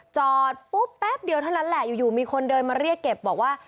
จอดปุ๊บแป๊บเดียวเท่านั้นแหละอยู่มีคนเดินมาเรียกเก็บบอกว่า